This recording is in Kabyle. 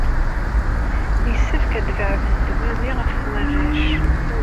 Yessefk ad beɛden dwawi ɣef warrac.